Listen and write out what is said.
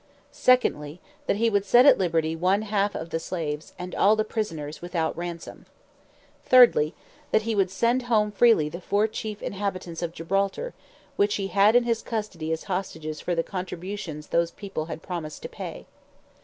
Secondly, that he would set at liberty one half of the slaves, and all the prisoners, without ransom. Thirdly, that he would send home freely the four chief inhabitants of Gibraltar, which he had in his custody as hostages for the contributions those people had promised to pay.